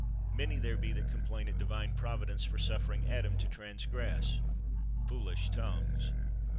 Many there be that complain at Divine Providence for suffering Adam to transgress; foolish tongues!